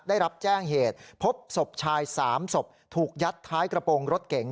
ได้รับแจ้งเหตุพบศพชาย๓ศพถูกยัดท้ายกระโปรงรถเก๋ง